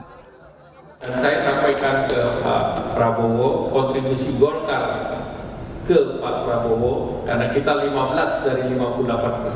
dan saya sampaikan ke pak prabowo kontribusi golkar ke pak prabowo karena kita lima belas dari lima puluh delapan persen